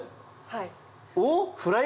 はい。